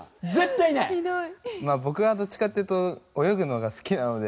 まあ僕はどっちかっていうと泳ぐのが好きなので。